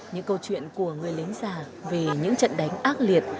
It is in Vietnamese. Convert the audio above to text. những câu chuyện của người lính già về những trận đánh ác liệt